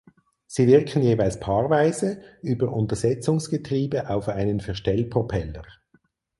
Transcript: Sie wirken jeweils paarweise über Untersetzungsgetriebe auf einen Verstellpropeller.